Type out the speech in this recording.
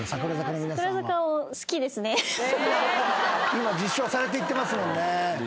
今実証されていってますもんね。